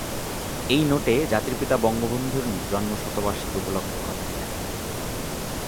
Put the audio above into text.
এই নোটে জাতির পিতা বঙ্গবন্ধুর জন্ম শতবার্ষিকী উপলক্ষে কথাটি লেখা থাকবে।